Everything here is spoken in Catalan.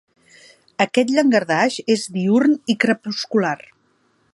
Aquest llangardaix és diürn i crepuscular.